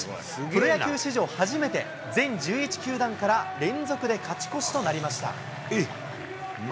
プロ野球史上初めて、全１１球団から連続で勝ち越しとなりました。